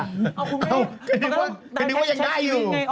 เอ้าก็คิดว่ายังได้อยู่